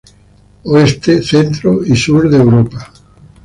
Oeste, centro y sur de Europa.